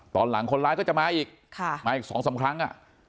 ตอนหลังคนร้ายก็จะมาอีกมาอีก๒๓ครั้ง